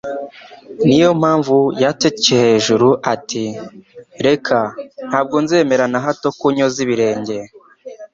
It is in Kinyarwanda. Ni yo mpamvu yatcye hejuru ati : "Reka! Ntabwo nzemera na hato ko unyoza ibirenge."